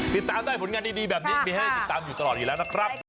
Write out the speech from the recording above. ติดตามได้ผลงานดีแบบนี้มีให้ติดตามอยู่ตลอดอยู่แล้วนะครับ